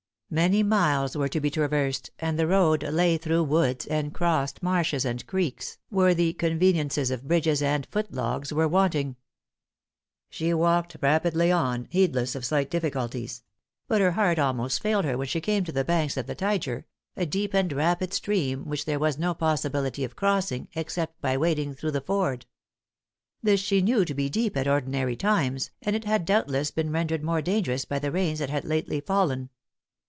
Many miles were to be traversed, and the road lay through woods, and crossed marshes and creeks, where the conveniences of bridges and foot logs were wanting. She walked rapidly on, heedless of slight difficulties; but her heart almost failed her when she came to the banks of the Tyger a deep and rapid stream, which there was no possibility of crossing except by wading through the ford. This she knew to be deep at ordinary times, and it had doubtless been rendered more dangerous by the rains that had lately fallen.